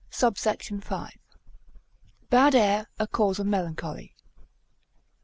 SUBSECT. V.—Bad Air, a cause of Melancholy.